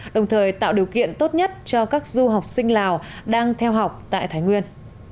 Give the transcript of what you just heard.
đồng thời tạo điều kiện tốt nhất cho các du học sinh lào đang theo học tại thái nguyên